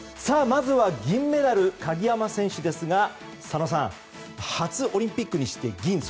まずは銀メダル、鍵山選手ですが佐野さん初オリンピックにして銀。